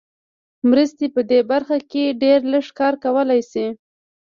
مرستې په دې برخه کې ډېر لږ کار کولای شي.